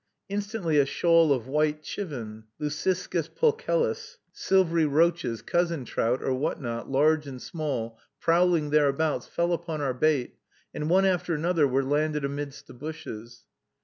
Instantly a shoal of white chivin (Leuciscus pulchellus), silvery roaches, cousin trout, or what not, large and small, prowling thereabouts, fell upon our bait, and one after another were landed amidst the bushes.